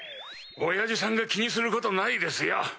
オヤジさんが気にすることないですよ。